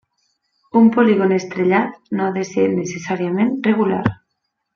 Un polígon estrellat no ha de ser necessàriament regular.